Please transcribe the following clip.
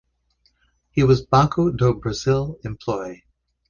He was Banco do Brasil employee.